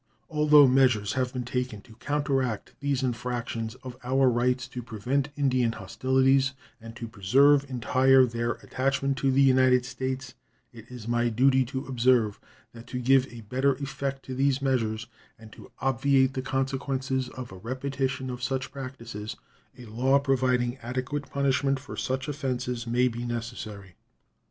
Although measures have been taken to counteract these infractions of our rights, to prevent Indian hostilities, and to preserve entire their attachment to the United States, it is my duty to observe that to give a better effect to these measures and to obviate the consequences of a repetition of such practices a law providing adequate punishment for such offenses may be necessary.